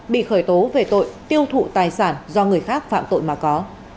bị khởi tố về tội tiêu thụ tài sản do người khác phạm tội mà có